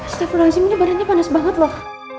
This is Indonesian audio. staff luanzim ini badannya panas banget loh